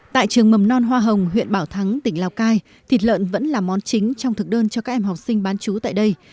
tại trường mầm non hoa hồng huyện bảo thắng tỉnh lào cai thịt lợn vẫn là món chính trong thực đơn cho các em học sinh bán chú tại đây